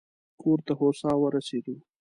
کور ته هوسا ورسېدو.